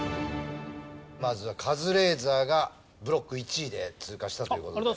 まずはカズレーザーがブロック１位で通過したという事で。